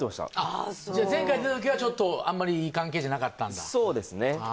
じゃ前回出た時はちょっとあんまりいい関係じゃなかったんだそうですね